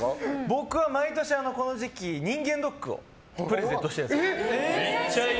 僕は毎年この時期人間ドックをプレゼントしてて。